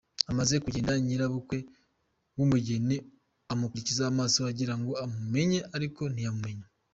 Amaze kugenda nyirabukwe w’umugeni amukurikiza amaso agira ngo amumenye ariko ntiyamumenya.